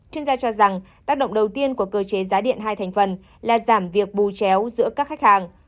chuyên gia cho rằng tác động đầu tiên của cơ chế giá điện hai thành phần là giảm việc bù chéo giữa các khách hàng